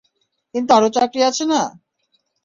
কিন্তু আরো চাকরি আছে না!